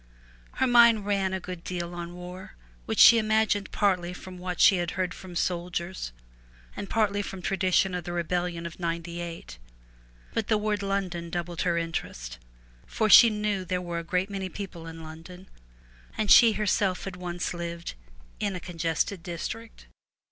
Her mind ran a good deal on war, which she imagined partly from what she had heard from soldiers, and partly from tradition of the rebellion of '98, but the word London doubled her interest, for she knew there were a great many people in London, and she herself had once lived in 'a congested district.'